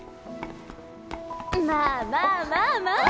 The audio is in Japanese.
まあまあまあまあ。